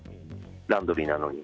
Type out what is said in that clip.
ランドリーなのに。